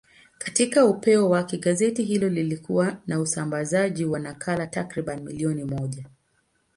Katika upeo wake, gazeti hilo lilikuwa na usambazaji wa nakala takriban milioni moja.